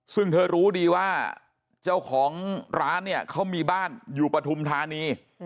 ซึ่งเธอรู้ดีว่าเจ้าของร้านเนี่ยเขามีบ้านอยู่ปฐุมธานี